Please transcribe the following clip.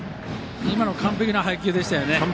今のいい配球でしたよね